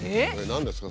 何ですか？